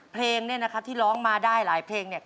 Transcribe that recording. เพลงเนี่ยนะครับที่ร้องมาได้หลายเพลงเนี่ย